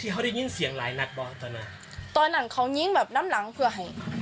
เขาได้ยินเสียงหลายนัดบ้างตอนนั้นตอนนั้นเขายิงแบบน้ำหลังเพื่อให้